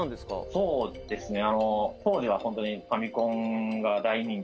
「そうですね